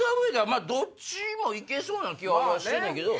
まぁどっちもいけそうな気はしてんねんけど。